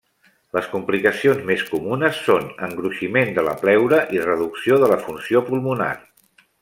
Les complicacions més comunes són: engruiximent de la pleura i reducció de la funció pulmonar.